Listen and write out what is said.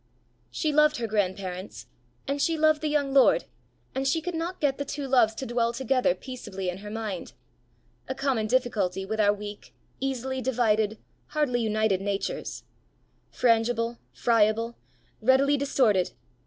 She loved her grandparents, and she loved the young lord, and she could not get the two loves to dwell together peaceably in her mind a common difficulty with our weak, easily divided, hardly united natures frangible, friable, readily distorted!